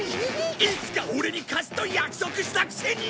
いつかオレに貸すと約束したくせに！